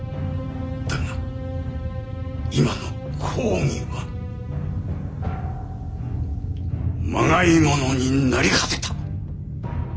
だが今の公儀はまがいものに成り果てた！